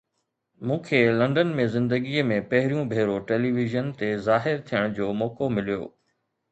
مون کي لنڊن ۾ زندگيءَ ۾ پهريون ڀيرو ٽيليويزن تي ظاهر ٿيڻ جو موقعو مليو.